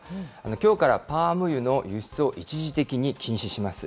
きょうからパーム油の輸出を一時的に禁止します。